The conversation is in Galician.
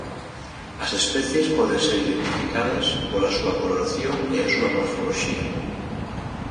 As especies poden ser identificadas pola súa coloración e a súa morfoloxía.